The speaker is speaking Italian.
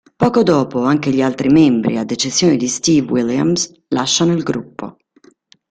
Poco dopo, anche gli altri membri, ad eccezione di Steve Williams, lasciano il gruppo.